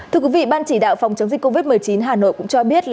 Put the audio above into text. thưa quý vị ban chỉ đạo phòng chống dịch covid một mươi chín hà nội cũng cho biết